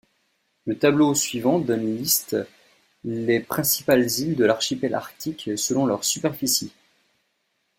Le tableau suivant donne liste les principales îles de l'archipel Arctique selon leur superficie.